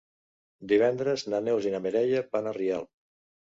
Divendres na Neus i na Mireia van a Rialp.